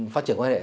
phát triển quan hệ